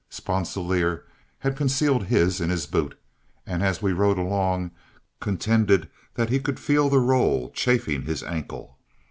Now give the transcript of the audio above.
Sponsilier had concealed his in his boot, and as we rode along, contended that he could feel the roll chafing his ankle.